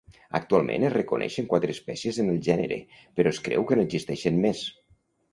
Actualment es reconeixen quatre espècies en el gènere, però es creu que n'existeixen més.